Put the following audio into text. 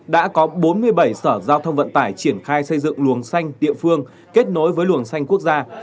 đã có bốn mươi bảy sở giao thông vận tải triển khai xây dựng luồng xanh địa phương kết nối với luồng xanh quốc gia